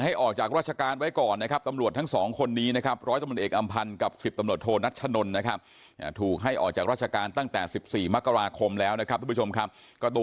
เป็นยากใครก็แล้วแต่เราต้องจับมันกันหมด